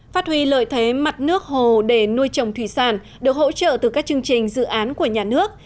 phát huy lợi thế mặt nước hồ để nuôi trồng thủy sản được hỗ trợ từ các chương trình dự án của nhà nước